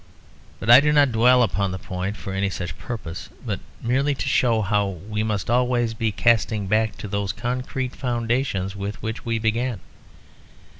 But I do not dwell upon the point for any such purpose; but merely to show how we must be always casting back to those concrete foundations with which we began.